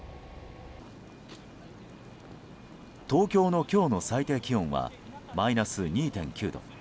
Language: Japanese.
東京の今日の最低気温はマイナス２．９度。